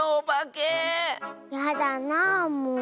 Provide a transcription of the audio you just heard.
やだなあもう。